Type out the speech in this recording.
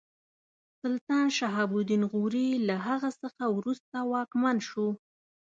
سلطان شهاب الدین غوري له هغه څخه وروسته واکمن شو.